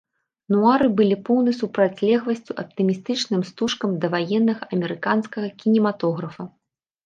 Нуары былі поўнай супрацьлегласцю аптымістычным стужкам даваеннага амерыканскага кінематографа.